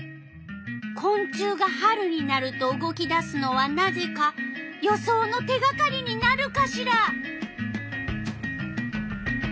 こん虫が春になると動き出すのはなぜか予想の手がかりになるかしら？